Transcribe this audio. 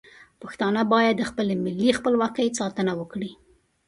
پښتانه باید د خپل ملي خپلواکۍ ساتنه وکړي.